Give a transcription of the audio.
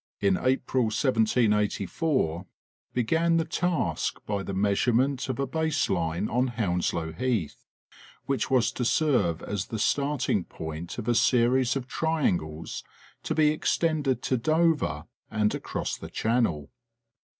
in April, 1784, began the task by the measurement of a base line on Hounslow Heath which was to serve us the start ing point of a series of triangles to be extended to Dover and across the channel.